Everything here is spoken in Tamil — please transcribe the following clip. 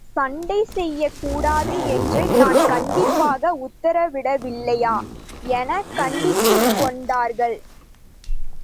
சண்டை செய்யக் கூடாது என்று நான் கண்டிப்பாக உத்தரவிடவில்லையா? எனக் கடிந்து கொண்டார்கள்.